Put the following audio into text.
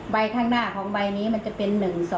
ข้างหน้าของใบนี้มันจะเป็น๑๒